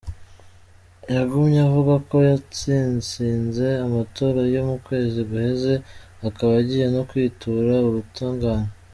Yagumye avuga ko yatsitsinze amatora yo mu kwezi guheze akaba agiye no kwitura ubutungane,.